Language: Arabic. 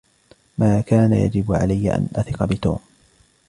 ما كان يجب علي أن أثق بتوم